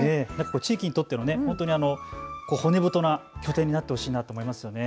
地域にとって骨太な拠点になってほしいなと思いますね。